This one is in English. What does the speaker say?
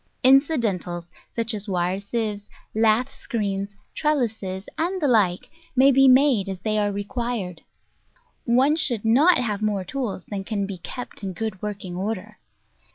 Incidentals, such as wire sieves, lath screens, trellises, and the like, may be made as they are required. One should not have more tools than can be kept in good working order.